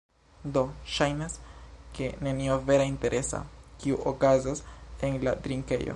Do, ŝajnas, ke nenio vera interesa, kiu okazas en la drinkejo